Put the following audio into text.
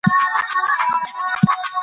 څېړنه دقت او حوصلې ته اړتیا لري.